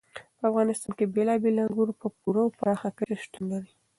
په افغانستان کې بېلابېل انګور په پوره او پراخه کچه شتون لري.